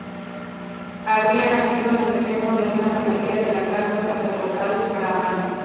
Habría nacido en el seno de una familia de la casta sacerdotal brahmán.